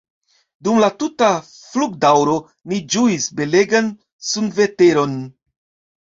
Dum la tuta flugdaŭro ni ĝuis belegan sunveteron.